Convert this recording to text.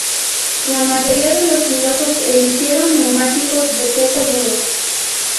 La mayoría de los pilotos eligieron neumáticos de seco duros.